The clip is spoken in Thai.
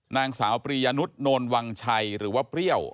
นางสาวปรียนุษย์โนนวังชัยหรือว่าเปรี้ยว